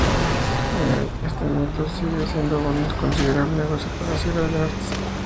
Hoy, este mito sigue siendo un considerable negocio para la Sierra del Harz.